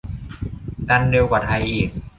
กันเร็วกว่าไทยอีก